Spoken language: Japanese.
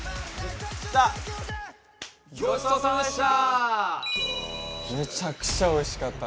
ごちそうさまでした！